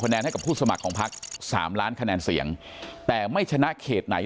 แนนให้กับผู้สมัครของพักสามล้านคะแนนเสียงแต่ไม่ชนะเขตไหน